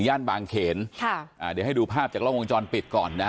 ย่านบางเขนค่ะอ่าเดี๋ยวให้ดูภาพจากล้องวงจรปิดก่อนนะฮะ